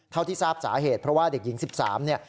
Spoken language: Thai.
เท่าที่ทราบสาเหตุเพราะว่าเด็กหญิง๑๓เนี่ย